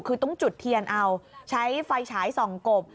คือต้องจุดเทียนเอาใช้ไฟฉายส่องกบ